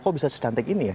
kok bisa secantik ini ya